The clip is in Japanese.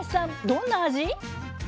どんな味？